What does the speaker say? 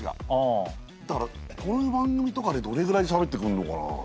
だからこういう番組とかでどれぐらいしゃべってくんのかな？